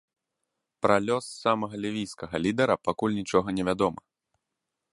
Пра лёс самага лівійскага лідара пакуль нічога невядома.